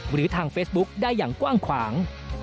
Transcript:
หรือทางเฟซบุ๊คได้อย่างกว้างขวาง